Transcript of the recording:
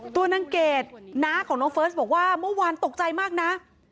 ตัวนางเกดน้าของน้องเฟิร์สบอกว่าเมื่อวานตกใจมากนะ